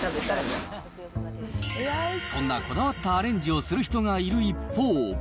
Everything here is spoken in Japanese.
そんなこだわったアレンジをする人がいる一方。